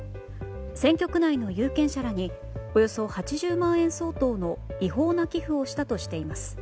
選挙区内の有権者らにおよそ８０万円相当の違法な寄付をしたとしています。